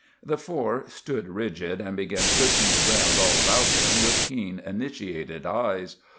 The four stood rigid, and began searching the ground all about them with keen, initiated eyes.